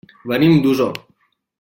Venim d'Osor.